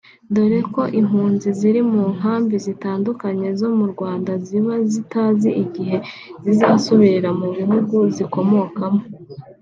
dore ko impunzi ziri mu nkambi zitandukanye zo mu Rwanda ziba zitazi igihe zizasubirira mu bihugu zikomokamo